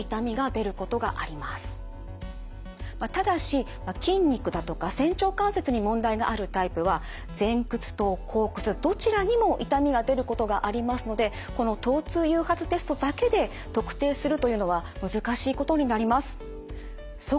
ただし筋肉だとか仙腸関節に問題があるタイプは前屈と後屈どちらにも痛みが出ることがありますのでこの疼痛誘発テストだけで特定するというのは難しいことになります。